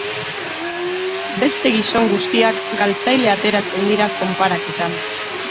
Beste gizon guztiak galtzaile ateratzen dira konparaketan.